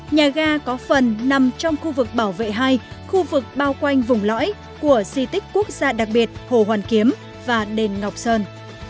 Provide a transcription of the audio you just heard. nhà ga có phần nằm trong khu vực bảo vệ hai khu vực bao quanh vùng lõi của di tích quốc gia đặc biệt hồ hoàn kiếm và đền ngọc sơn